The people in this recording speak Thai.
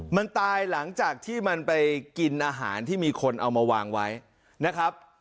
มันตายหลังจากที่มันไปกินอาหารที่มีคนเอามาวางไว้นะครับ